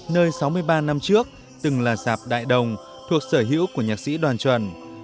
nơi sáu mươi ba năm trước từng là dạp đại đồng thuộc sở hữu của nhạc sĩ đoàn chuẩn